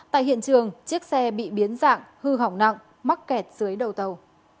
tại hiện trường chiếc xe bị biến dạng hư hỏng nặng mắc kẹt dưới đầu tàu